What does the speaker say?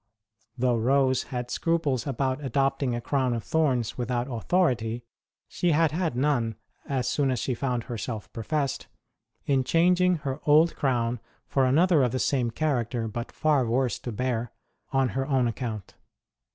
Though Rose had scruples about adopting a crown of thorns without authority, she had had none, as soon as she found herself professed, in changing her old crown for another of the same character, but far worse to bear, on her own account.